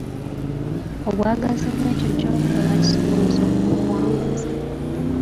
Obwagazi bwekyo ky'okola kisumuluzo ku buwanguzi.